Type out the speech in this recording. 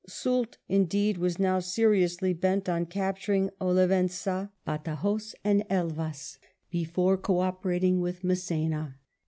Soult, indeed, was now seriously bent on cap turing Olivenca, Badajos, and Elvas, before co operating with Mass6na.